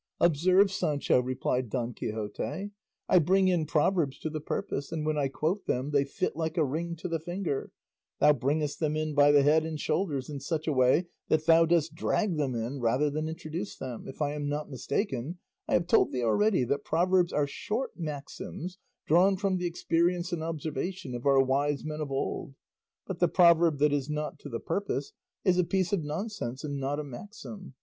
"Observe, Sancho," replied Don Quixote, "I bring in proverbs to the purpose, and when I quote them they fit like a ring to the finger; thou bringest them in by the head and shoulders, in such a way that thou dost drag them in, rather than introduce them; if I am not mistaken, I have told thee already that proverbs are short maxims drawn from the experience and observation of our wise men of old; but the proverb that is not to the purpose is a piece of nonsense and not a maxim.